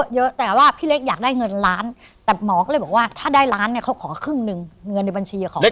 เยอะแต่ว่าพี่เล็กอยากได้เงินล้านแต่หมอก็เลยบอกว่าถ้าได้ล้านเนี่ยเขาขอครึ่งหนึ่งเงินในบัญชีขอ